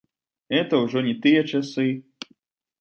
Гэта ўжо не тыя часы.